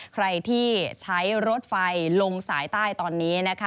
ใครที่ใช้รถไฟลงสายใต้ตอนนี้นะคะ